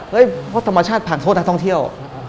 เพราะธรรมชาติผ่านโทษนักท่องเที่ยว